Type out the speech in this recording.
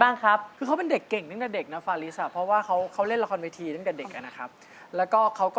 มาซอดผมทีได้มั้ยค่ะ